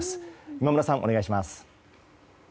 今村さん、お願いします。